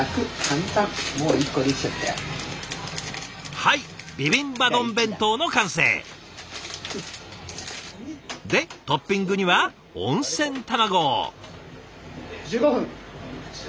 はいビビンバ丼弁当の完成！でトッピングには温泉卵。